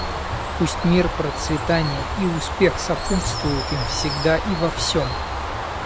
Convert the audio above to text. Пусть мир, процветание и успех сопутствуют им всегда и во всем.